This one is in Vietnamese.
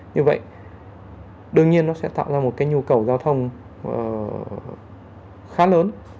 như vậy đương nhiên nó sẽ tạo ra một cái nhu cầu giao thông khá lớn